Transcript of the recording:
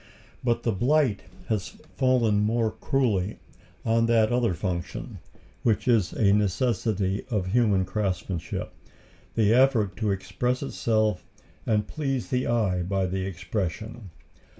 But the blight has fallen more cruelly on that other function, which is a necessity of human craftsmanship the effort to express itself and please the eye by the expression.